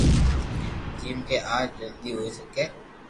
جيم ڪي آ جلدو ھوئي سڪي